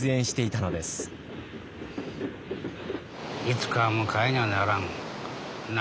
いつかは迎えにゃならん。